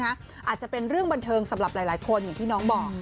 อาจจะเป็นเรื่องบันเทิงสำหรับหลายคนอย่างที่น้องบอก